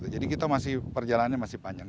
jadi kita masih perjalanannya masih panjang